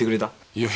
いや。